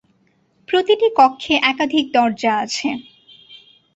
প্রতিটি কক্ষে একাধিক দরজা আছে।